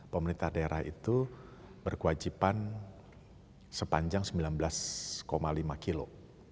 pemerintah daerah itu berkewajiban sepanjang sembilan belas lima kilo